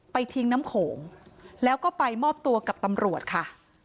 ทิ้งน้ำโขงแล้วก็ไปมอบตัวกับตำรวจค่ะ